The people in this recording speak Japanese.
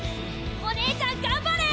お姉ちゃん頑張れ！